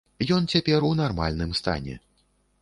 Ён цяпер у нармальным стане.